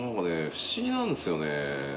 不思議なんすよね